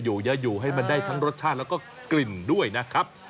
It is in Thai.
อยู่เยอะอยู่ให้มันได้ทั้งรสชาติแล้วก็กลิ่นด้วยนะครับ